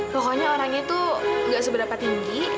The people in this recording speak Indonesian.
pokoknya orang itu nggak seberapa tinggi